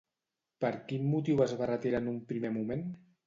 Per quin motiu es va retirar en un primer moment?